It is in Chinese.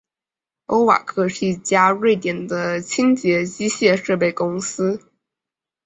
欧瓦克是一家瑞典的清洁机械设备公司。